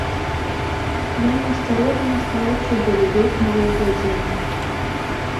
Ён насцярожана ставіцца да любых новаўвядзенняў.